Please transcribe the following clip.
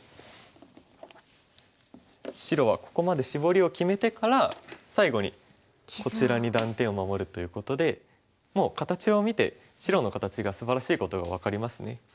白はここまでシボリを決めてから最後にこちらに断点を守るということでもう形を見て白の形がすばらしいことが分かりますね。